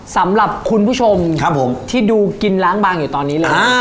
สำหรับคุณผู้ชมครับผมที่ดูกินล้างบางอยู่ตอนนี้เลย